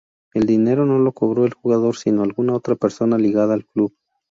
El dinero no lo cobró el jugador sino alguna otra persona ligada al club.